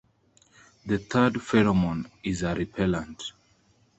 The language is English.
The third pheromone is a repellant.